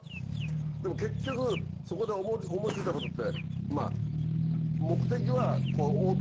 でも結局そこで思い付いたことって目的は。